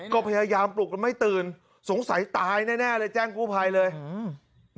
ก็พยายามปลุกกันไม่ตื่นสงสัยตายแน่แน่เลยแจ้งกู้ภัยเลยอืม